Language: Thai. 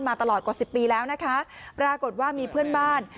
มาตลอดกว่าสิบปีแล้วนะคะปรากฏว่ามีเพื่อนบ้าน